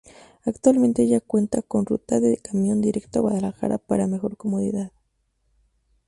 Actualmente ya cuenta con Ruta de Camión directo a Guadalajara para mejor comodidad.